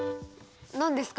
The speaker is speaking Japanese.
何ですか？